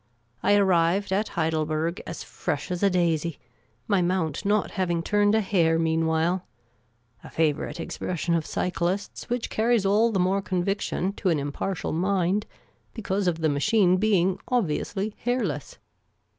I arrived at Heidelberg as fresh as a daisy, my mount not having turned a hair mean while — a favourite expression of cjxlists which carries all the more conviction to an impartial mind because of the machine being obviously hairless.